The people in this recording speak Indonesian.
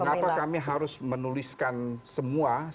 mengapa kami harus menuliskan semua